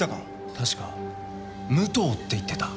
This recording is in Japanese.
確か武藤って言ってた。